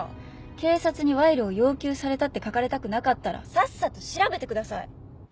警察に賄賂を要求されたって書かれたくなかったらさっさと調べてください！